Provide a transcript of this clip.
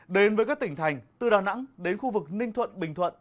đến với các tỉnh thành từ đà nẵng đến khu vực ninh thuận bình thuận